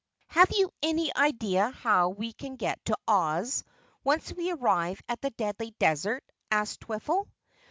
"Have you any idea how we can get to Oz, once we arrive at the Deadly Desert?" asked Twiffle.